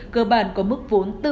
cơ bản có mức vốn tự có